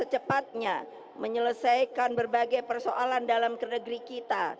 dan secepatnya menyelesaikan berbagai persoalan dalam keregri kita